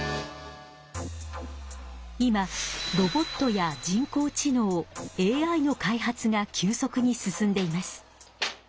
今ロボットや人工知能ＡＩの開発が急速に進んでいます。